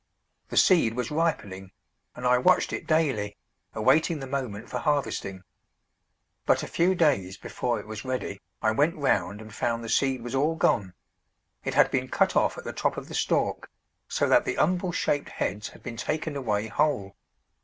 The seed was ripening, and I watched it daily, awaiting the moment for harvesting. But a few days before it was ready I went round and found the seed was all gone; it had been cut off at the top of the stalk, so that the umbel shaped heads had been taken away whole.